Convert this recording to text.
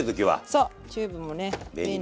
そうチューブもね便利。